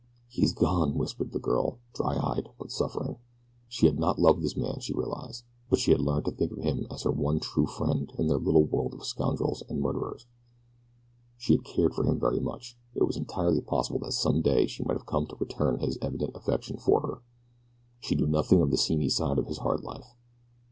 "He's gone!" whispered the girl, dry eyed but suffering. She had not loved this man, she realized, but she had learned to think of him as her one true friend in their little world of scoundrels and murderers. She had cared for him very much it was entirely possible that some day she might have come to return his evident affection for her. She knew nothing of the seamy side of his hard life.